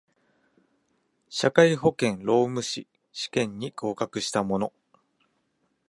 社会保険労務士試験に合格した者